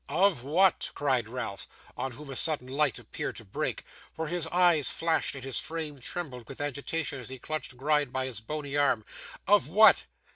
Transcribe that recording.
'Of WHAT?' cried Ralph, on whom a sudden light appeared to break, for his eyes flashed and his frame trembled with agitation as he clutched Gride by his bony arm. 'Of what?